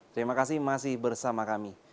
terima kasih masih bersama kami